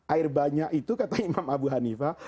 air banyak itu kata imam abu hanifah